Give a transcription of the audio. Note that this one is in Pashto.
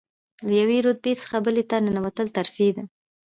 له یوې رتبې څخه بلې ته تلل ترفیع ده.